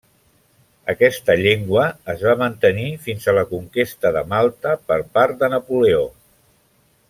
Aquesta llengua es va mantenir fins a la conquesta de Malta per part de Napoleó.